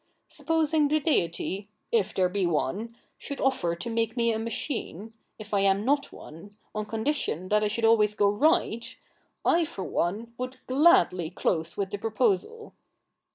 Supposing the Deity — if there be one — should offer to make me a machine, if I am not one, on condition that I should always go right, I, for one, would gladly close with the proposal.'